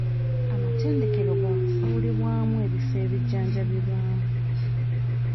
Amatendekero gaakufuulibwamu ebifo ebijjanjabirwamu.